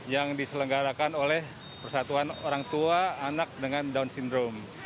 yang diselenggarakan oleh persatuan orang tua anak dengan down syndrome